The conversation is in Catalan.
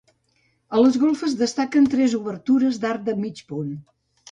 A les golfes destaquen tres obertures d'arc de mig punt.